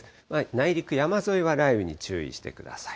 内陸、山沿いは雷雨に注意してください。